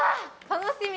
楽しみ。